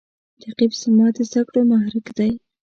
رقیب زما د زده کړو محرک دی